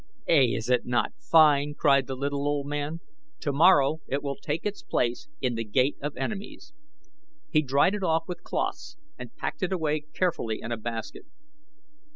"Ey! is it not fine?" cried the little old man. "Tomorrow it will take its place in The Gate of Enemies." He dried it off with cloths and packed it away carefully in a basket.